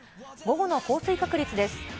午後の降水確率です。